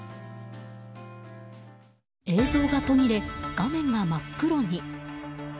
映像が途切れ、画面が真っ黒に。